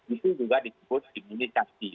itu juga disebut imunisasi